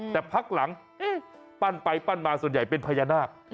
แต่พักหลังปั้นไปปั้นมาส่วนใหญ่เป็นพญานาค